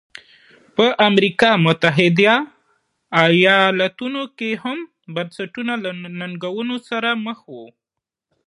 په امریکا متحده ایالتونو کې هم بنسټونه له ننګونو سره مخ وو.